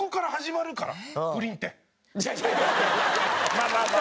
まあまあま